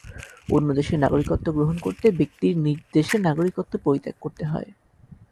অন্য দেশের নাগরিকত্ব গ্রহণ করতে ব্যক্তির নিজ দেশের নাগরিকত্ব পরিত্যাগ করতে হয়।